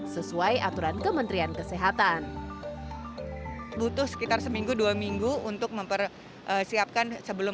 sesuai aturan kementerian kesehatan butuh sekitar seminggu dua minggu untuk mempersiapkan sebelum